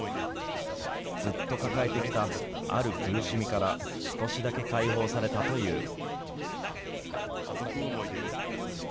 ずっと抱えてきた、ある苦しみから、少しだけ解放されたという。